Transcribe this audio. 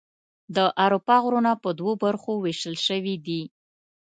د اروپا غرونه په دوه برخو ویشل شوي دي.